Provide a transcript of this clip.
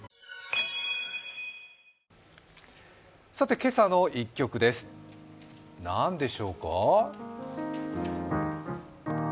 今朝の一曲です、何でしょうか？